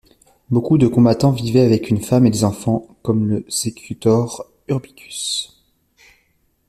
Beaucoup de combattants vivaient avec une femme et des enfants, comme le sécutor Urbicus.